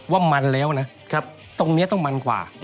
ว่ามันแล้วนะครับตรงนี้ต้องมันกว่า